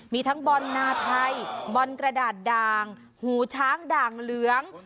มีทั้งบอลนาไทยบอลกระดาษด่างหูช้างด่างเหลือง